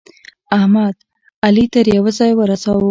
احمد؛ علي تر يوه ځايه ورساوو.